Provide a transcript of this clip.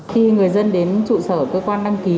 khi người dân đến trụ sở cơ quan đăng ký